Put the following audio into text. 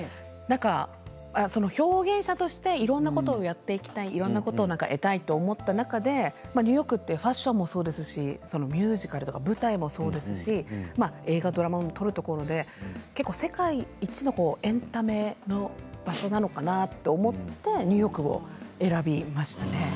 表現者としていろんなことをやっていきたいいろんなことを得たいと思った中で、ニューヨークは場所もそうですしミュージカルや舞台もそうですし映画やドラマを撮るところで世界一のエンタメの場所なのかなと思ってニューヨークを選びましたね。